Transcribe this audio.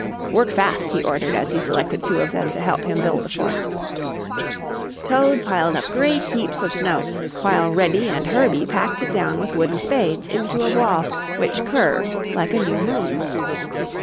"Work fast," he ordered as he selected two of them to help him build the fort. Toad piled up great heaps of snow while Reddy and Herbie packed it down with wooden spades into a wall which curved like a new moon.